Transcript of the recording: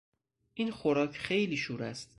این خوراک خیلی شور است.